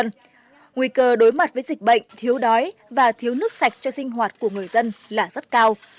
nguy cơ đối mặt với dịch bệnh thiếu đói và thiếu nước sạch cho sinh hoạt của người dân là rất cao